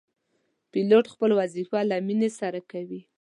پیلوټ خپل وظیفه له مینې سره کوي.